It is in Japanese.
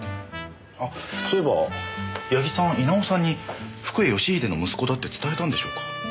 あそういえば矢木さん稲尾さんに福栄義英の息子だって伝えたんでしょうか？